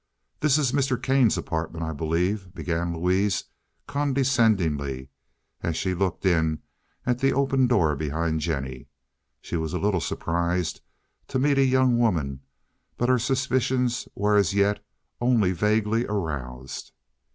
"This is Mr. Kane's apartment, I believe," began Louise, condescendingly, as she looked in at the open door behind Jennie. She was a little surprised to meet a young woman, but her suspicions were as yet only vaguely aroused.